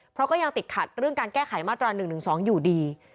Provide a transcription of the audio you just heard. เพราะก็ยังติดขัดเรื่องการแก้ไขมาตรา๑๑๒อยู่ดี